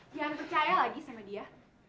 jangan percaya lagi sama dia